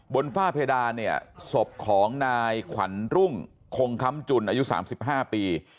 ฝ้าเพดานเนี่ยศพของนายขวัญรุ่งคงคำจุนอายุ๓๕ปี